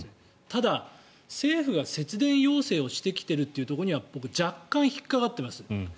ただ、政府が節電要請をしてきてるというところには僕、若干引っかかってます。